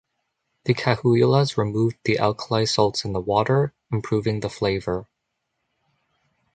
The Cahuillas removed the alkali salts in the water, improving the flavor.